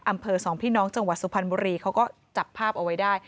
อำเภอสองพี่น้องจังหวัดสุพรรณบุรีเขาก็จับภาพเอาไว้ได้